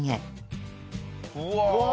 うわ！